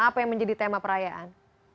apa yang menjadi tema perayaan